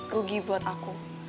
rugi buat aku